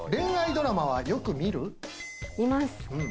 見ます。